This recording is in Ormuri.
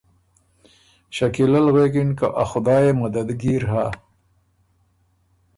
شکیلۀ ل غوېکِن که ”ا خدایٛ يې مددګیر هۀ،